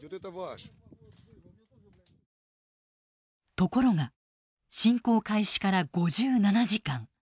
ところが侵攻開始から５７時間